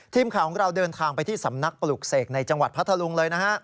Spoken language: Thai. ทีมข่าวของเราเดินทางไปที่สำนักปลูกเสกในจังหวัดพัทธลุงเลยนะฮะ